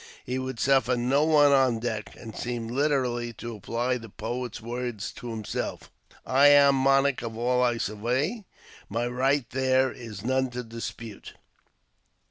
He would suffer no one on deck, and seemed literally to apply the poet's words to himself, '* I am monarch of all I survey, My right there is none to dispute."